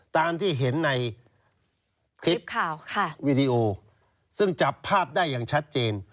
ตามที่เห็นในคลิปข่าวค่ะวีดีโอซึ่งจับภาพได้อย่างชัดเจน